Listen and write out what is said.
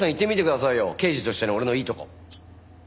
刑事としての俺のいいとこ。